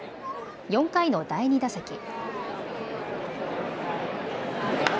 ４回の第２打席。